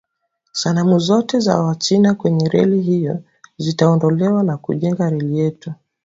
sanamu zote za wachina kwenye reli hiyo zitaondolewa na tujenge reli yetu